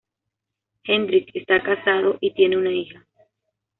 Hendrik está casado y tiene una hija.